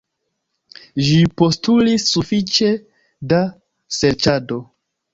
Ĝi postulis sufiĉe da serĉado.